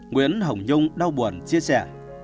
nguyễn hồng nhung đau buồn chia sẻ